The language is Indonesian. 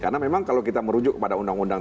karena memang kalau kita merujuk pada undang undang